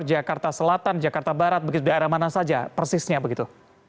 jakarta selatan jakarta barat begitu daerah mana saja persisnya begitu